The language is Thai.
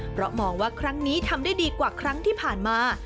เพราะมองว่าครั้งนี้ทำได้ดีกว่าครั้งที่ผ่านมา